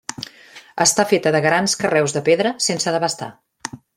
Està feta de grans carreus de pedra sense desbastar.